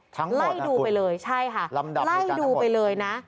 ทั้งหมดนะคุณลำดับในการทั้งหมด